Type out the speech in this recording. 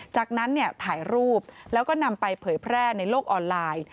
จากนั้นถ่ายรูปแล้วก็นำไปเผยแพร่ในโลกออนไลน์